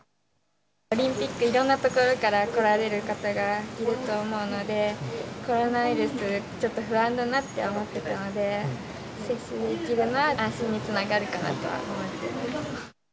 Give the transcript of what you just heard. オリンピック、いろんな所から来られる方がいると思うので、コロナウイルス、ちょっと不安だなと思ってたので、接種できるのは、安心につながるかなとは思っています。